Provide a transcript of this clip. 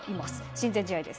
親善試合です。